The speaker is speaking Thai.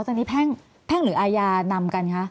ก็กับทนนี้ป้าน่ายำครับ